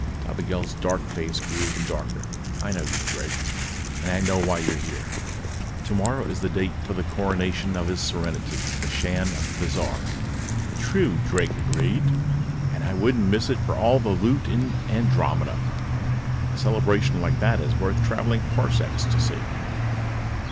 Dobigel's dark face grew even darker. "I know you, Drake. And I know why you're here. Tomorrow is the date for the Coronation of His Serenity, the Shan of Thizar." "True," Drake agreed. "And I wouldn't miss it for all the loot in Andromeda. A celebration like that is worth traveling parsecs to see."